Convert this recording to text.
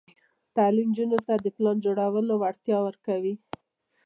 تعلیم نجونو ته د پلان جوړولو وړتیا ورکوي.